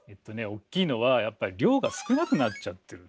おっきいのはやっぱり量が少なくなっちゃってる。